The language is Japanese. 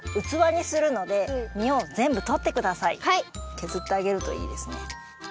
けずってあげるといいですね。